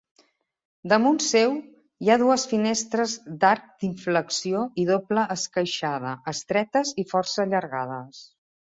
Damunt seu hi ha dues finestres d'arc d'inflexió i doble esqueixada, estretes i força allargades.